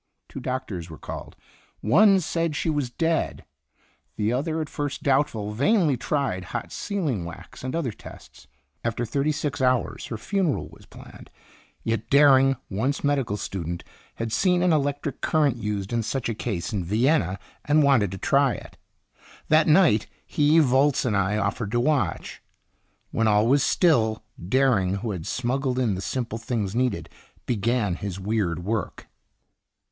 Two doctors were called. One said she was dead. The other, at first doubtful, vainly tried hot sealing wax and other tests. After thirty six hours her funeral was planned. Yet Dering, once medi cal student, had seen an electric current used in such a case in Vienna, and wanted to try it. That night, he, Volz, and I offered to watch . When all was still, Dering, who had smuggled in the simple things needed, began his weird work.